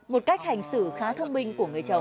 một cách hành xử khá thông minh của người chồng